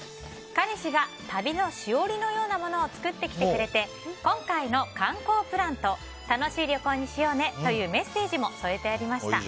彼氏が旅のしおりのようなものを作ってきてくれて今回の観光プランと楽しい旅行にしようねというメッセージも添えてありました。